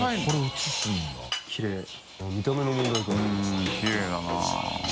うんきれいだな。